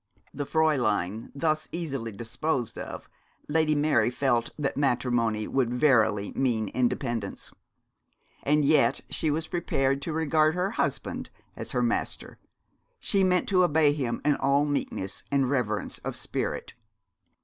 The Fräulein thus easily disposed of, Lady Mary felt that matrimony would verily mean independence. And yet she was prepared to regard her husband as her master. She meant to obey him in all meekness and reverence of spirit.